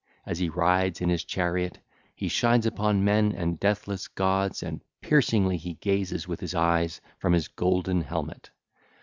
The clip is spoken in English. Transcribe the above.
As he rides in his chariot, he shines upon men and deathless gods, and piercingly he gazes with his eyes from his golden helmet.